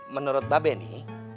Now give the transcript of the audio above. menurut mbah be nih